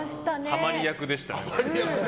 はまり役でしたね。